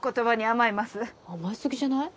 甘えすぎじゃない？